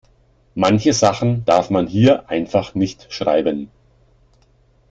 Manche Sachen darf man hier einfach nicht schreiben.